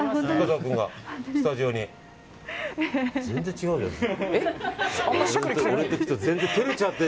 全然違うじゃん。